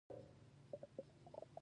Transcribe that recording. دا درک ور سره نشته